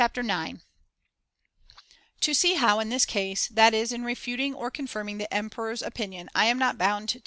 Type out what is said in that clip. ] Submis To see how in this case, that is in refuting or ^"'"'^"^ confirming the emperor's opinion, I am not bound an un ue ^.